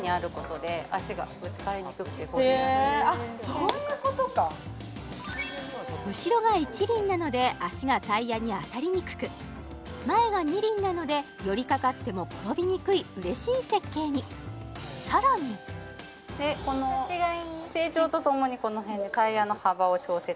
そういうことか後ろが１輪なので足がタイヤに当たりにくく前が２輪なので寄りかかっても転びにくいうれしい設計にさらにへえ